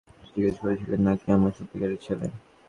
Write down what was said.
তুই জিজ্ঞেস করেছিলি না কে আমার সত্যিকারের ছেলে?